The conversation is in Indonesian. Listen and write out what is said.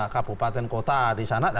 kabupaten kota disana